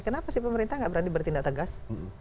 kenapa sih pemerintah nggak berani bertindak tegas